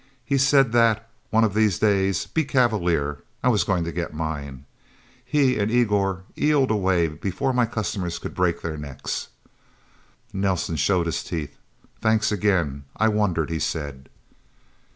He said that, one of these days be cavalier I was going to get mine. He and Igor eeled away before my customers could break their necks." Nelsen showed his teeth. "Thanks again. I wondered," he said.